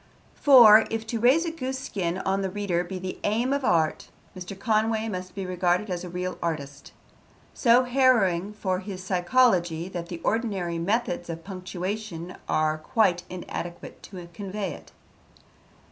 For, if to raise a goose skin on the reader be the aim of art, Mr. Conway must be regarded as a real artist. So harrowing is his psychology that the ordinary methods of punctuation are quite inadequate to convey it.